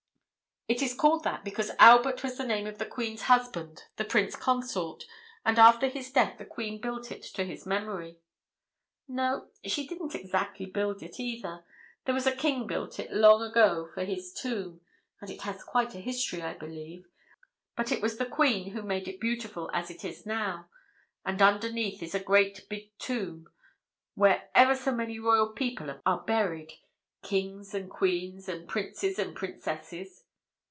"It is called that because Albert was the name of the Queen's husband, the Prince Consort, and after his death the Queen built it to his memory. No, she didn't exactly build it, either. There was a king built it long ago for his tomb, and it has quite a history, I believe; but it was the Queen who made it beautiful as it is now. And underneath is a great big tomb, where ever so many royal people are buried kings and queens and princes and princesses."